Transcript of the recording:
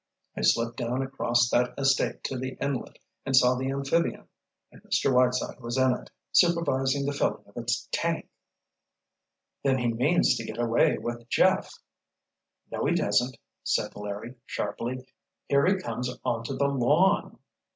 "I slipped down across that estate to the inlet and saw the amphibian. And Mr. Whiteside was in it, supervising the filling of its tank!" "Then he means to get away with Jeff——" "No he doesn't!" said Larry, sharply. "Here he comes onto the lawn!"